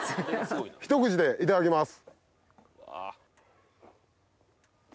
一口でいただきます。